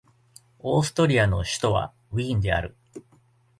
オーストリアの首都はウィーンである